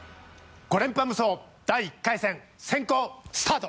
５連覇無双第１回戦先攻スタート！